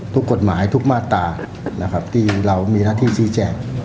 ทุกกฎหมายทุกมาตรานะครับที่เรามีหน้าที่ชี้แจง